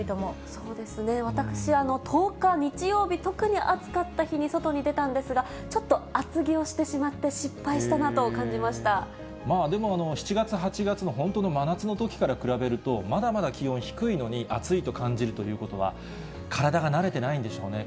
そうですね、私、１０日日曜日、特に暑かった日に外に出たんですが、ちょっと厚着をしてしまでも、７月、８月の本当の真夏のときから比べると、まだまだ気温低いのに暑いと感じるということは、体が慣れてないんでしょうね。